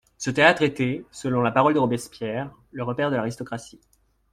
Ce théâtre était, selon la parole de Robespierre, «le repaire de l'aristocratie».